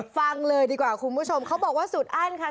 ฟังเลยดีกว่าคุณผู้ชมเขาบอกว่าสุดอั้นค่ะ